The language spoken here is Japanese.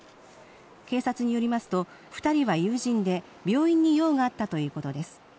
警察によりますと２人は友人で、病院に用があったということです。